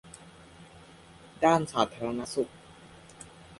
ด้านสาธารณสุข